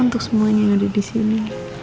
untuk semuanya yang ada disini